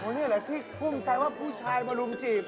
เพราะมันแหละพี่ภูมิใจว่าผู้ชายมารูมจีบ